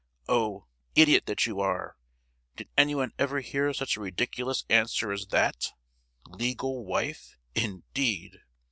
"Oh, idiot that you are! did anyone ever hear such a ridiculous answer as that—legal wife, indeed!